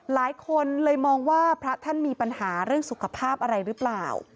หลายคนเลยมองว่าพระท่านมีปัญหาเรื่องสุขภาพอะไรหรือเปล่า